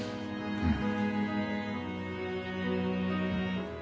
うん。